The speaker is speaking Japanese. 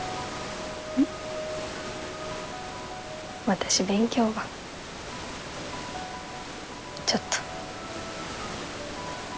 私勉強がちょっと。